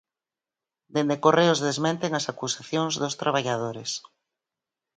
Dende Correos desmenten as acusacións dos traballadores.